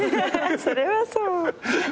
それはそう。